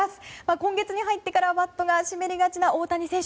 今月に入ってからバットが湿りがちな大谷選手